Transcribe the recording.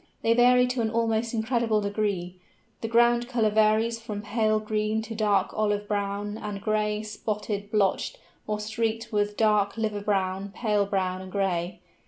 They vary to an almost incredible degree. The ground colour varies from pale green to dark olive brown and gray, spotted, blotched, or streaked with dark liver brown, pale brown and gray.